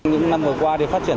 những năm vừa qua thì phát triển